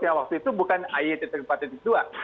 yang waktu itu bukan ayi tiga empat tiga dua